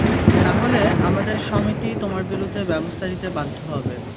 নাহলে, আমাদের সমিতি তোমার বিরুদ্ধে ব্যবস্থা নিতে বাধ্য হবে।